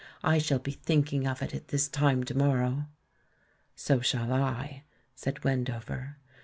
I shall be thinking of it at this time to morrow." "So shall I," said Wendover.